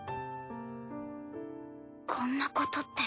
こんなことって。